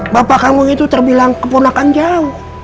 bapak kamu itu terbilang keponakan jauh